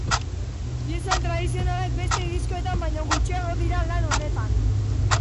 Pieza tradizionalak beste diskoetan baino gutxiago dira lan honetan.